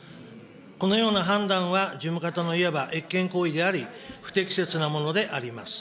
このような判断は、事務方のいわば越権行為であり、不適切なものであります。